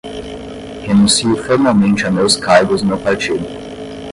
Renuncio formalmente a meus cargos no Partido